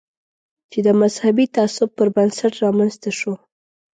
چې د مذهبي تعصب پر بنسټ رامنځته شو.